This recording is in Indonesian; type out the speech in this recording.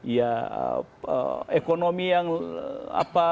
ya ekonomi yang apa